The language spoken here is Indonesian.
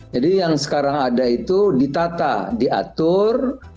jadi yang sekarang ada itu ditata diatur